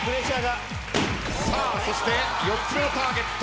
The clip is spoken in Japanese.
そして４つ目のターゲット。